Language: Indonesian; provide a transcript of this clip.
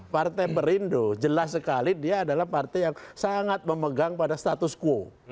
partai perindo jelas sekali dia adalah partai yang sangat memegang pada status quo